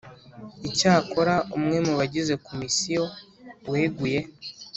Icyakora umwe mu bagize Komisiyo weguye